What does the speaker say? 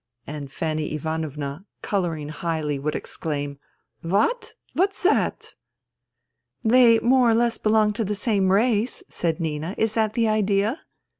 " And Fanny Ivanovna, colouring highly, would exclaim :" What— what's that ?"" They more or less belong to the same race," said Nina. " Is that the idea